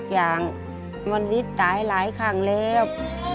อย่างมันวิทย์ตายหลายครั้งแล้ว